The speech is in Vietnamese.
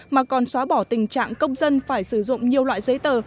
mà còn xóa bỏ tình trạng công dân phải sử dụng nhiều loại giấy tờ